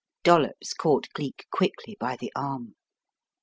Dollops caught Cleek quickly by the arm.